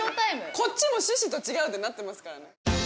こっちも趣旨と違うってなってますからね。